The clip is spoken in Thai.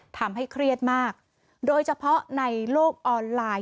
ทำให้เครียดมากโดยเฉพาะในโลกออนไลน์